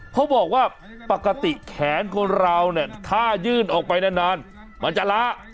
เขาบอกว่าปกติแขนคนเราเนี่ยถ้ายื่นออกไปนานมันจะล้า